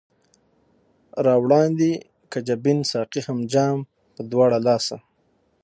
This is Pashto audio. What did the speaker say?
را وړاندي که جبين ساقي هم جام پۀ دواړه لاسه